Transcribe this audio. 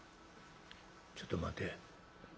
「ちょっと待て。